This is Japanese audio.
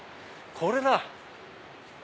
これだ！